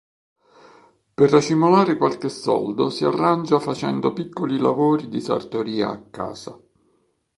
Per racimolare qualche soldo si arrangia facendo piccoli lavori di sartoria a casa.